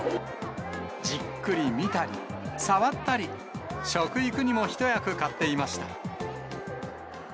じっくり見たり、触ったり、食育にも一役買っていました。